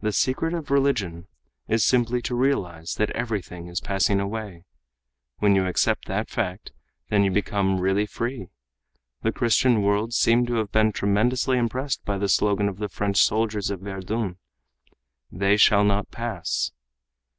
The secret of religion is simply to realize that everything is passing away. When you accept that fact, then you become really free. The Christian world seemed to have been tremendously impressed by the slogan of the French soldiers at Verdun, 'They shall not pass!